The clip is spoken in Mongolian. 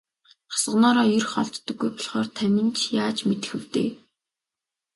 Тосгоноосоо ер холддоггүй болохоор та минь ч яаж мэдэх вэ дээ.